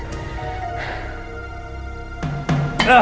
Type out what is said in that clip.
aku sudah kangen